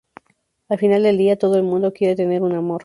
Al final del día, todo el mundo quiere tener un amor".